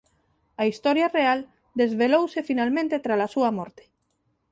A historia real desvelouse finalmente trala súa morte.